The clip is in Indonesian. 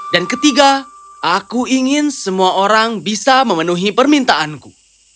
dan ketiga aku ingin semua orang bisa memenuhi permintaanku